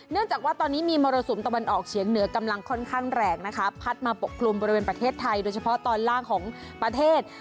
จากว่าตอนนี้มีมรสุมตะวันออกเฉียงเหนือกำลังค่อนข้างแรงนะคะพัดมาปกคลุมบริเวณประเทศไทยโดยเฉพาะตอนล่างของประเทศ